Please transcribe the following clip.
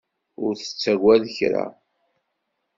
Ur tettagad kra.